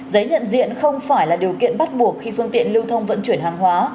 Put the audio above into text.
giấy nhận diện không phải là điều kiện bắt buộc khi phương tiện lưu thông vận chuyển hàng hóa